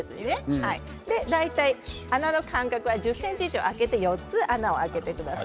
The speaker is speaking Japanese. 大体穴の間隔は１０ｃｍ以上空けて４つ以上を穴を開けてください。